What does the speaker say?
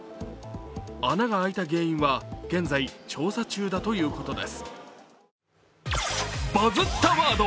穴が開いた理由は現在調査中だということです。